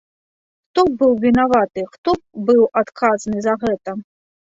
Хто б быў вінаваты, хто б быў адказны за гэта?